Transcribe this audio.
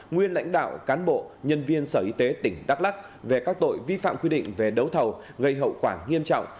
nguyên lãnh đạo cán bộ nhân viên sở y tế tỉnh đắk lắc về các tội vi phạm quy định về đấu thầu gây hậu quả nghiêm trọng